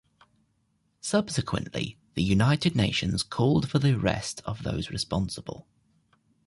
Subsequently, the United Nations called for the arrest of those responsible.